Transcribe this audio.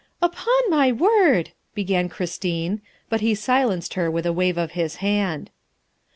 ' Upon my word!" began Christine, but he silenced her with a wave of his hand.